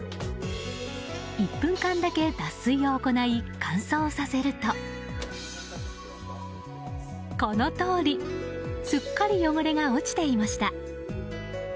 １分間だけ脱水を行い乾燥させるとこのとおりすっかり汚れが落ちていました。